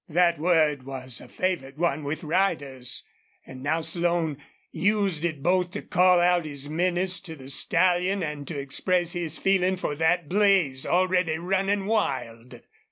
That word was a favorite one with riders, and now Slone used it both to call out his menace to the stallion and to express his feeling for that blaze, already running wild.